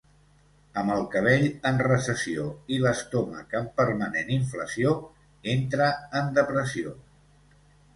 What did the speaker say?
Amb el cabell en recessió i l'estómac en permanent inflació, entre en depressió.